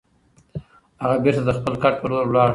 هغه بېرته د خپل کټ په لور لاړ.